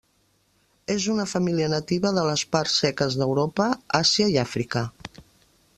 És una família nativa de les parts seques d'Europa, Àsia i Àfrica.